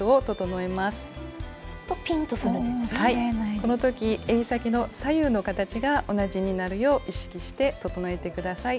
この時えり先の左右の形が同じになるよう意識して整えて下さい。